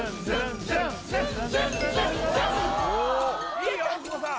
いいよ大久保さん